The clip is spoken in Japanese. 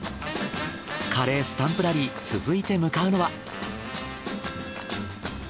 カレースタンプラリー続いて向かうのは。